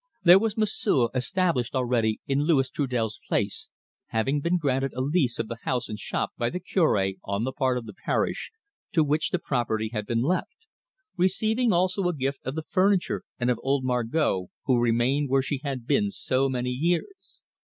There was M'sieu' established already in Louis Trudel's place, having been granted a lease of the house and shop by the Curte, on the part of the parish, to which the property had been left; receiving also a gift of the furniture and of old Margot, who remained where she had been so many years.